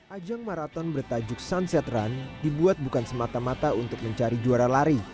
ajang maraton bertajuk sunset run dibuat bukan semata mata untuk mencari juara lari